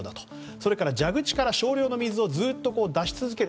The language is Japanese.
それから蛇口から少量の水をずっと出し続ける。